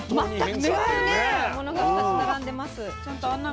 全く違うものが２つ並んでます。